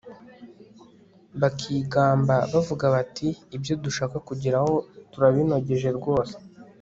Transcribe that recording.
bakigamba bavuga bati ibyo dushaka kugeraho turabinogeje rwose